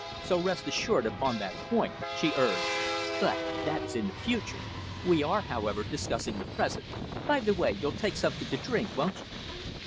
So rest assured upon that point," she urged. "But that is in the future. We are, however, discussing the present. By the way you'll take something to drink, won't you?"